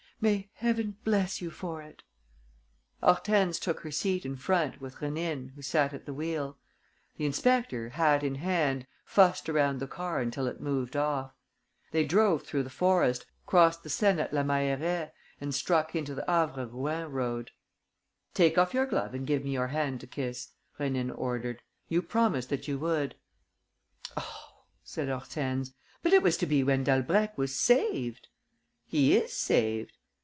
"May Heaven bless you for it!" Hortense took her seat in front, with Rénine, who sat at the wheel. The inspector, hat in hand, fussed around the car until it moved off. They drove through the forest, crossed the Seine at La Mailleraie and struck into the Havre Rouen road. "Take off your glove and give me your hand to kiss," Rénine ordered. "You promised that you would." "Oh!" said Hortense. "But it was to be when Dalbrèque was saved." "He is saved."